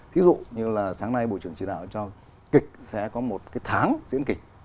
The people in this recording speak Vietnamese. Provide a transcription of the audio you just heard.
thí dụ như là sáng nay bộ trưởng chỉ đạo cho kịch sẽ có một cái tháng diễn kịch